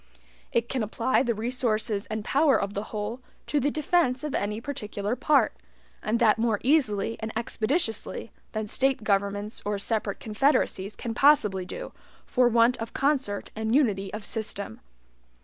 It can apply the resources and power of the whole to the defense of any particular part, and that more easily and expeditiously than State governments or separate confederacies can possibly do, for want of concert and unity of system.